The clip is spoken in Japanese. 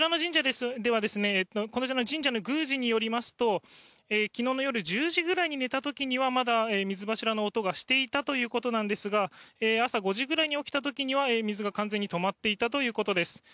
こちらの神社の宮司によりますと昨日の夜１０時ぐらいに寝た時にはまだ水柱の音がしていたということですが朝５時ぐらいに起きた時には水が完全に止まっていたということです。